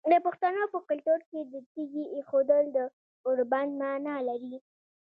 د پښتنو په کلتور کې د تیږې ایښودل د اوربند معنی لري.